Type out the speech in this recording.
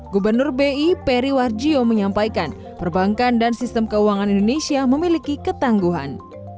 gubernur bi peri warjio menyampaikan perbankan dan sistem keuangan indonesia memiliki ketangguhan